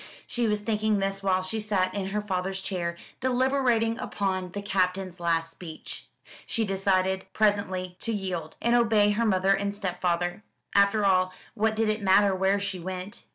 She was thinking this while she sat in her father's chair, deliberating upon the Captain's last speech. She decided presently to yield, and obey her mother and stepfather. After all, what did it matter where she went?